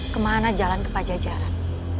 kemana jalan ke pajajaran